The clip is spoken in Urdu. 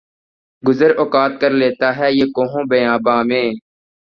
گزر اوقات کر لیتا ہے یہ کوہ و بیاباں میں